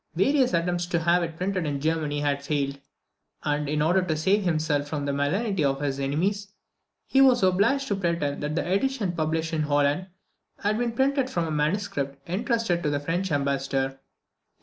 Various attempts to have it printed in Germany had failed; and, in order to save himself from the malignity of his enemies, he was obliged to pretend that the edition published in Holland had been printed from a MS. entrusted to the French ambassador.